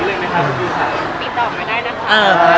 ติดต่อมาได้นะคะ